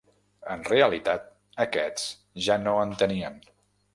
En realitat, aquests ja no en tenien.